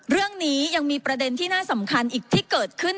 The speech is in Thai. เรื่องนี้ยังมีประเด็นที่น่าสำคัญอีกที่เกิดขึ้น